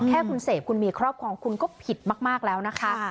แค่คุณเสพคุณมีครอบครองคุณก็ผิดมากแล้วนะคะ